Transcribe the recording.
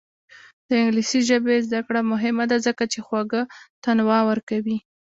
د انګلیسي ژبې زده کړه مهمه ده ځکه چې خواړه تنوع ورکوي.